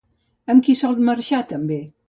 Amb qui sol marxar també?